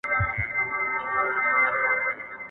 د اورنګ خنجر يې پڅ کی ..